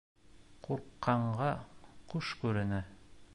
ҠУРҠҠАНҒА ҠУШ КҮРЕНӘ